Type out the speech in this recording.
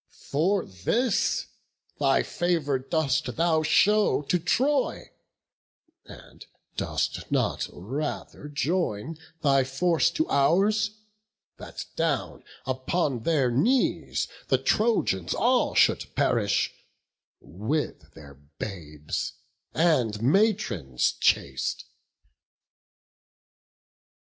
For this thy favour dost thou show to Troy; And dost not rather join thy force to ours, That down upon their knees the Trojans all Should perish, with their babes and matrons chaste."